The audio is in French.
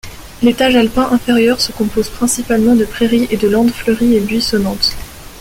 L'étage alpin inférieur se compose principalement de prairies et de landes fleuries et buissonnantes.